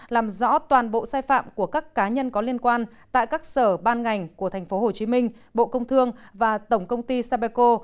làm rõ toàn bộ sai phạm của các cá nhân có liên quan tại các sở ban ngành của tp hcm bộ công thương và tổng công ty sapeco